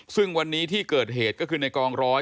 ซึ่งวันนี้ที่เกิดเหตุก็คือในกองร้อย